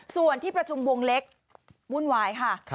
ส่วนที่ประชุมวงเล็กวุ่นวายค่ะ